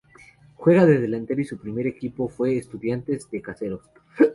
Juega de delantero y su primer equipo fue Estudiantes de Caseros.